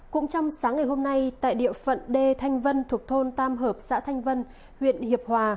cũng trong sáng ngày hôm nay tại địa phận đê thanh vân thuộc thôn tam hợp xã thanh vân huyện hiệp hòa